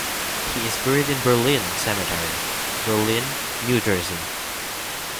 He is buried in Berlin Cemetery, Berlin, New Jersey.